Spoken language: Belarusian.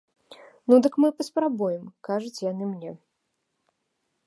Ну дык мы паспрабуем, кажуць яны мне.